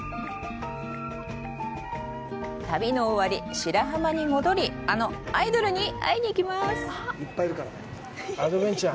旅の終わり、白浜に戻り、あのアイドルに会いに行きます！